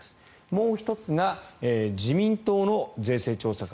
もう１つが自民党の税制調査会。